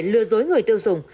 tại vì nó đỏ đẹp